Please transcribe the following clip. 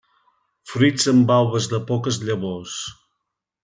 Fruits en valves de poques llavors.